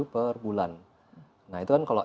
per bulan nah itu kan kalau